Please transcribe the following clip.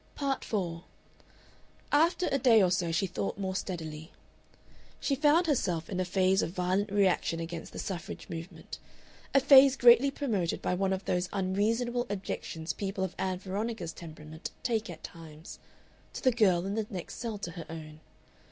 Part 4 After a day or so she thought more steadily. She found herself in a phase of violent reaction against the suffrage movement, a phase greatly promoted by one of those unreasonable objections people of Ann Veronica's temperament take at times to the girl in the next cell to her own.